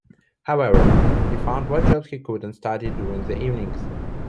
However, he found what jobs he could and studied during the evenings.